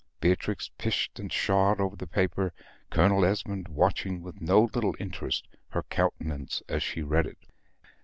Beatrix pished and psha'd over the paper; Colonel Esmond watching with no little interest her countenance as she read it.